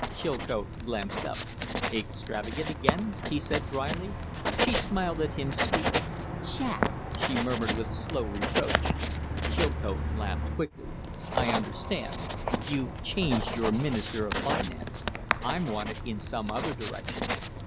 Chilcote glanced up. "Extravagant again?" he said, dryly. She smiled at him sweetly. "Jack!" she murmured with slow reproach. Chilcote laughed quickly. "I understand. You've changed your Minister of Finance. I'm wanted in some other direction."